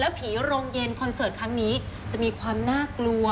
ผีโรงเย็นคอนเสิร์ตครั้งนี้จะมีความน่ากลัว